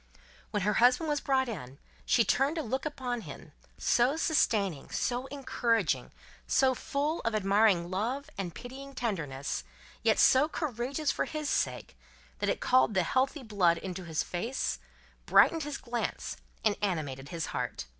When her husband was brought in, she turned a look upon him, so sustaining, so encouraging, so full of admiring love and pitying tenderness, yet so courageous for his sake, that it called the healthy blood into his face, brightened his glance, and animated his heart.